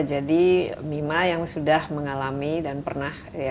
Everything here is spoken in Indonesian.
jadi mima yang sudah mengalami dan pernah